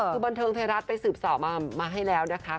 คือบันเทิงไทยรัฐไปสืบสอบมาให้แล้วนะคะ